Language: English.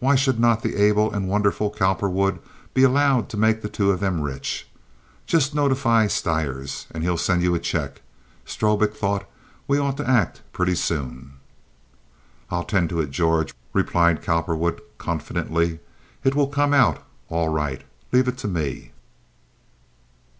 Why should not the able and wonderful Cowperwood be allowed to make the two of them rich? "Just notify Stires, and he'll send you a check. Strobik thought we ought to act pretty soon." "I'll tend to it, George," replied Cowperwood, confidently. "It will come out all right. Leave it to me."